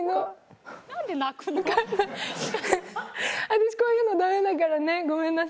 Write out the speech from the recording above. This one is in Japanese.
私こういうのダメだからねごめんなさい。